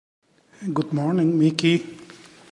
Good Morning, Mickey!